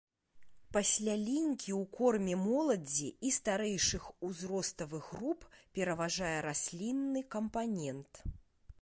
Пасля лінькі ў корме моладзі і старэйшых узроставых груп пераважае раслінны кампанент.